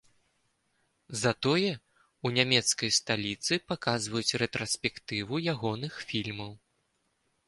Затое ў нямецкай сталіцы паказваюць рэтраспектыву ягоных фільмаў.